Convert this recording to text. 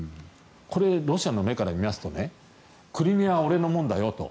これ、ロシアの目から見ますとクリミアは俺のものだよと。